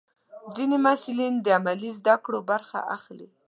ځینې محصلین د عملي زده کړو برخه اخلي.